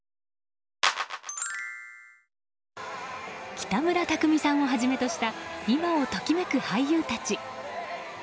北村匠海さんをはじめとした今を時めく俳優たち。